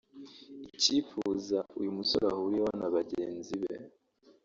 Icyifuza uyu musore ahuriyeho na bagenzi be